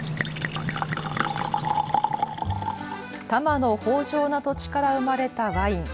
多摩の豊じょうな土地から生まれたワイン。